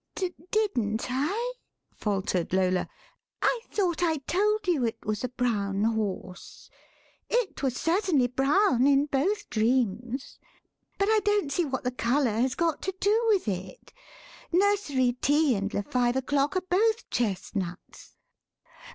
"Didn't I?" faltered Lola; "I thought I told you it was a brown horse. It was certainly brown in both dreams. But I don't see what the colour has got to do with it. Nursery Tea and Le Five O'Clock are both chestnuts."